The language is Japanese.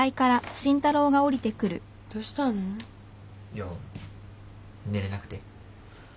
いや寝れなくて。